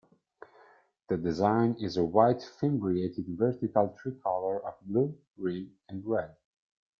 The design is a white-fimbriated vertical tricolour of blue, green, and red.